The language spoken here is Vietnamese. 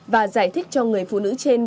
và giải thích cho người phụ nữ trên